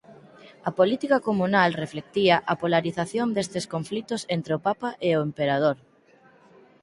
A política comunal reflectía a polarización destes conflitos entre o papa e o emperador.